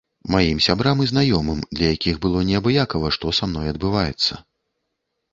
Маім сябрам і знаёмым, для якіх было неабыякава, што са мной адбываецца.